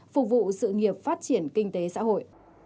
phục vụ sự nghiệp phát triển kinh tế xã hội